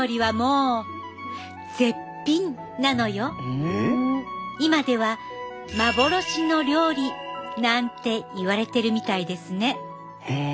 中でも今では幻の料理なんていわれてるみたいですね。